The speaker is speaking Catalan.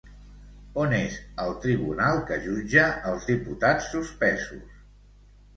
On és el tribunal que jutja els diputats suspesos?